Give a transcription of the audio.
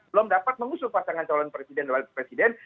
belum dapat mengusung pasangan calon presiden dan wakil presiden